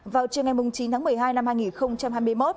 vào chiều ngày chín tháng một mươi hai năm hai nghìn hai mươi một